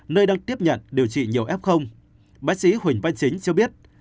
nơi đang tiếp nhận điều trị nhiều f bác sĩ huỳnh văn chính cho biết